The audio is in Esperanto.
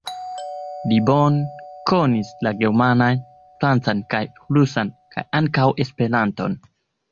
Li bone konis la germanan, francan kaj rusan, kaj ankaŭ esperanton.